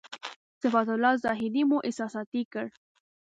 صفت الله زاهدي مو احساساتي کړ.